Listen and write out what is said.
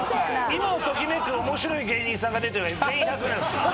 今を時めく面白い芸人さんが出てるんで全員１００なんですよ。